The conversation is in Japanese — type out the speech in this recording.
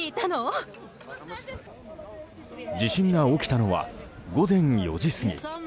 地震が起きたのは午前４時過ぎ。